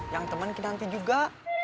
yang teman kinanti juga